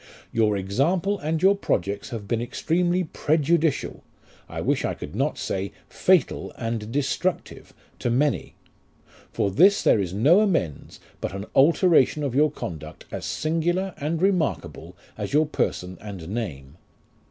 Your example and your projects have been extremely prejudicial I wish I could not say fatal and destructive to many. For this there is no amends but an alteration of your conduct as singular and remarkable as your person and name.